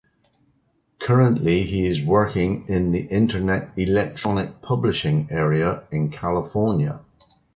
Currently he is working in the internet electronic publishing area in California.